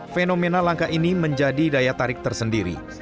fenomena langka ini menjadi daya tarik tersendiri